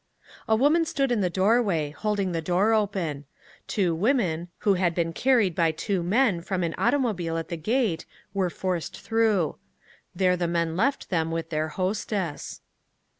A woman stood in the doorway, holding the door open. Two women, who had been carried by two men, from an automobile at the gate, were forced through. There the men left them with their hostess.